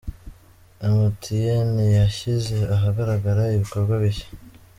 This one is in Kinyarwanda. Emutiyene yashyize ahagaragara ibikorwa bishya